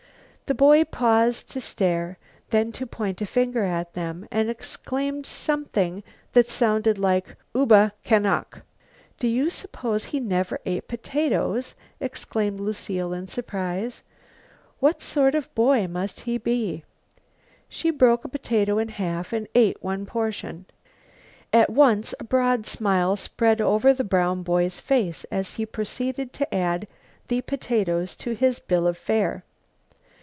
The boy paused to stare, then to point a finger at them, and exclaimed something that sounded like: "Uba canok." "Do you suppose he never ate potatoes?" exclaimed Lucile in surprise. "What sort of boy must he be?" She broke a potato in half and ate one portion. At once a broad smile spread over the brown boy's face as he proceeded to add the potatoes to his bill of fare.